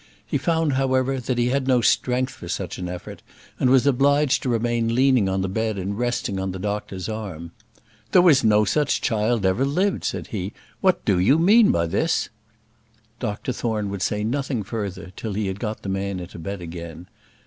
He found, however, that he had no strength for such an effort, and was obliged to remain leaning on the bed and resting on the doctor's arm. "There was no such child ever lived," said he. "What do you mean by this?" Dr Thorne would say nothing further till he had got the man into bed again.